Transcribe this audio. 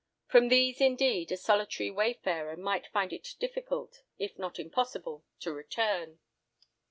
From these indeed, a solitary wayfarer might find it difficult, if not impossible, to return.